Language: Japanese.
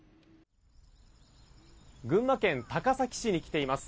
群馬県高崎市に来ています。